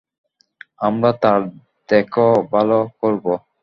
আমরা তার দেখ-ভাল করব।